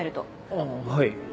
あぁはい。